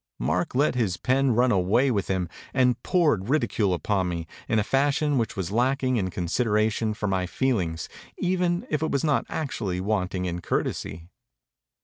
Mark let his pen run away with him and poured ridicule upon me, in a fashion which was lacking in consideration for my feelings even if it was not actually wanting in courtesy.